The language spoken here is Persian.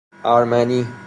ارمنی